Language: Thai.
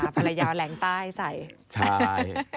ภรรยาแหลงใต้ใส่